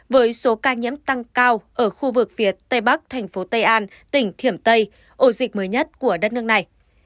với số ca nhiễm tăng cao ở khu vực phía tây bắc thành phố tây an tỉnh thiểm tây ổ dịch mới nhất của đất nước này